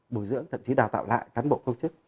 bồi dưỡng thậm chí đào tạo lại cán bộ công chức